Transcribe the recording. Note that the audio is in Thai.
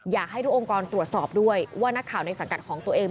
อยากให้ทุกองค์กรตรวจสอบด้วยว่านักข่าวในสังกัดของตัวเอง